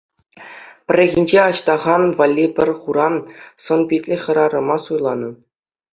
Пӗррехинче Аҫтаха валли пӗр хура сӑн-питлӗ хӗрарӑма суйланӑ.